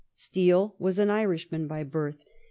Steele was an Irishman by birth.